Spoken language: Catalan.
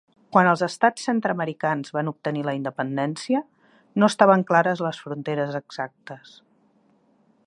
Quan els estats centreamericans van obtenir la independència, no estaven clares les fronteres exactes.